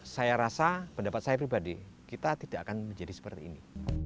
saya rasa pendapat saya pribadi kita tidak akan menjadi seperti ini